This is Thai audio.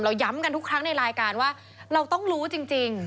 ย้ำกันทุกครั้งในรายการว่าเราต้องรู้จริง